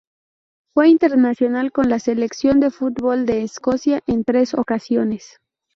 Fue internacional con la selección de fútbol de Escocia en tres ocasiones.